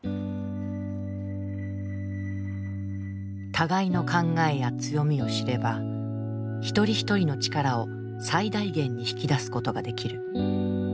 互いの考えや強みを知れば一人一人の力を最大限に引き出すことができる。